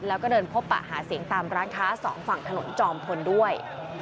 แล้วก็เดินพบปะหาเสียงตามร้านค้าสองฝั่งถนนจอมพลด้วย